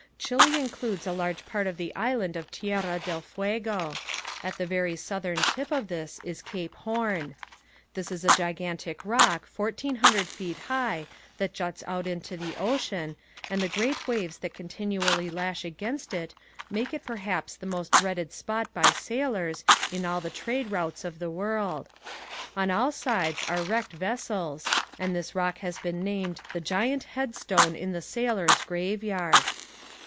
Chile includes a large part of the island of Tierra del Fuego. At the very southern tip of this is Cape Horn. This is a gigantic rock fourteen hundred feet high that juts out into the ocean and the great waves that continually lash against it make it perhaps the most dreaded spot by sailors in all the trade routes of the world. On all sides are wrecked vessels and this rock has been named the Giant Headstone in the Sailor's Graveyard.